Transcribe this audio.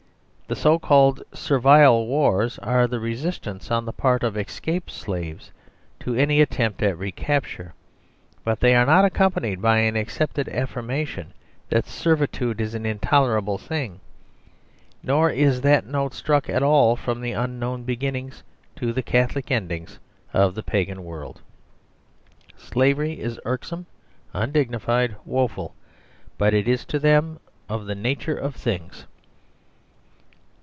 The so called Servile wars are the resistance on the part of escaped slaves to any attempt at recapture, but they are not accompanied by an accepted affirmation that servitudeisan intolerable thing; noristhatnotestruck at all from the unknown beginnings to the Catho lic endings of the Pagan world. Slavery is irksome, undignified, woeful ; but it is, to them, of the nature of things.